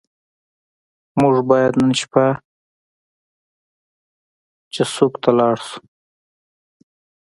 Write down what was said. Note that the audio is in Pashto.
موږ باید نن شپه چیسوک ته لاړ شو.